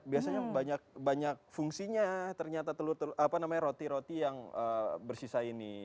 biasanya banyak fungsinya ternyata telur apa namanya roti roti yang bersisa ini